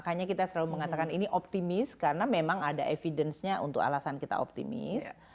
makanya kita selalu mengatakan ini optimis karena memang ada evidence nya untuk alasan kita optimis